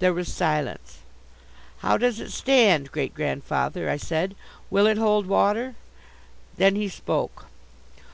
There was silence. "How does it stand, great grandfather?" I said. "Will it hold water?" Then he spoke.